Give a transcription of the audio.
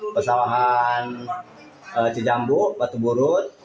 pesawahan cijambu batu burut